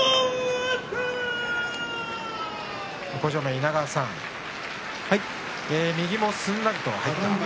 向正面の稲川さん右もすんなり入った。